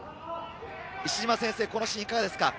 石島先生、このシーン、いかがですか？